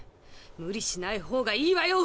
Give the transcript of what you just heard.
無理しないほうがいいわよ！